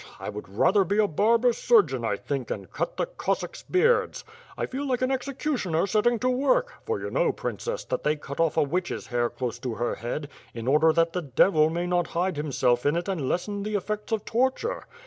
I would rather be a barber surgeon I think, and cut the Cossacks beards. I feel like an executioner setting to work, for you know, princess, that they cut off a witch's hair close to her head, in order that the devil may not hide himself in it and lessen the effect of torture.